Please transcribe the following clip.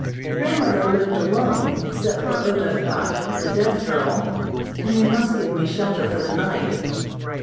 Grandmother lived alone except for O Duk Dok, the deaf girl, and they must give me shelter for the night.